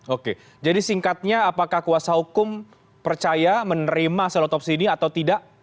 oke jadi singkatnya apakah kuasa hukum percaya menerima selotopsi ini atau tidak